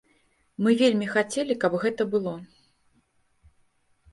Мы вельмі хацелі, каб гэта было.